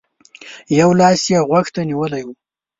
يو لاس يې غوږ ته نيولی و.